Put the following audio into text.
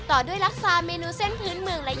ต่อด้วยลักษณะเมนูเส้นพื้นเมือง